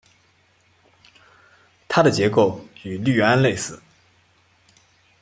它的结构与氯胺类似。